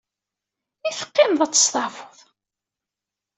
I teqqimeḍ, ad testeɛfuḍ?